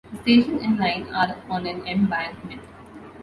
The station and line are on an embankment.